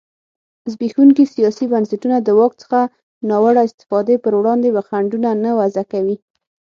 زبېښونکي سیاسي بنسټونه د واک څخه ناوړه استفادې پر وړاندې خنډونه نه وضعه کوي.